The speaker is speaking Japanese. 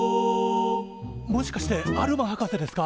もしかしてアルマ博士ですか？